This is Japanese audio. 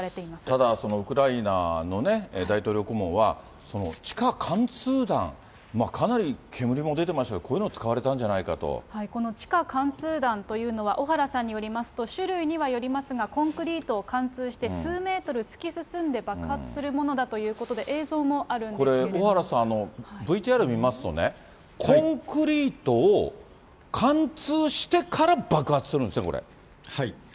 ただ、ウクライナの大統領顧問は、地下貫通弾、かなり煙も出てましたけど、こういうの、この地下貫通弾というのは、小原さんによりますと、種類にはよりますが、コンクリートを貫通して、数メートル突き進んで爆発するものだということで、映像もあるんこれ、小原さん、ＶＴＲ見ますとね、コンクリートを貫通してから爆発するんですね、これ。